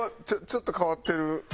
ちょっと変わってる？